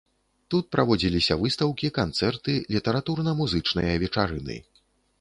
Тут праводзіліся выстаўкі, канцэрты, літаратурна-музычныя вечарыны.